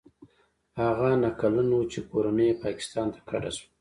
هغه نهه کلن و چې کورنۍ یې پاکستان ته کډه شوه.